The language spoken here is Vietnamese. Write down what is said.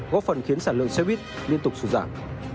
góp phần khiến sản lượng xe buýt liên tục sụt giảm